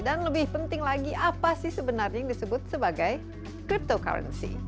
dan lebih penting lagi apa sih sebenarnya yang disebut sebagai cryptocurrency